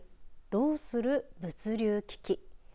どうする物流危機。